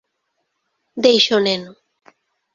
Deixa o neno.